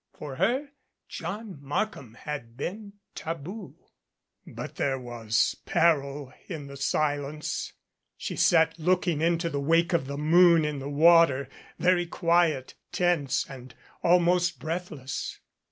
For her, John Markham had been taboo. But there was peril in the silence. She sat looking into the wake of the moon in the water, very quiet, tense and almost breathless.